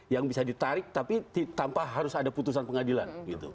yang bisa ditarik tapi tanpa harus ada putusan pengadilan